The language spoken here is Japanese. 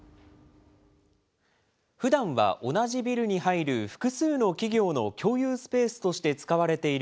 ふだんは同じビルに入る複数の企業の共有スペースとして使われている